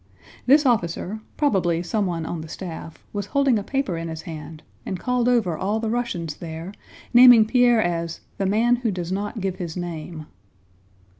This officer, probably someone on the staff, was holding a paper in his hand, and called over all the Russians there, naming Pierre as "the man who does not give his name."